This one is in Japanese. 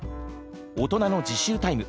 大人の自習タイム